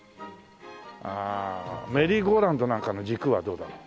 あメリーゴーラウンドなんかの軸はどうだろう？